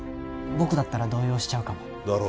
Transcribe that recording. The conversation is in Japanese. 僕だったら動揺しちゃうかもだろ？